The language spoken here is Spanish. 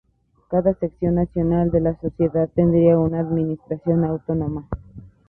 Cada sección nacional de la Sociedad tendría una administración autónoma.